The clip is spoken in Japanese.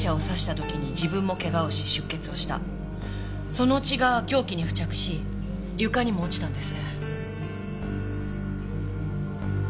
その血が凶器に付着し床にも落ちたんです。